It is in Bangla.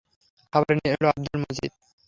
খাবার নিয়ে এল আব্দুল মজিদ।